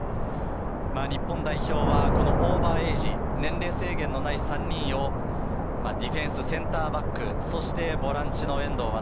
日本代表はオーバーエイジ、年齢制限のない３人をディフェンス、センターバック、そしてボランチの遠藤航。